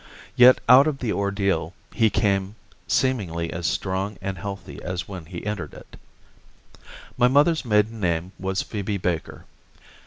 Yet out of the ordeal he came seemingly as strong and healthy as when he entered it. My mother's maiden name was Phoebe Baker.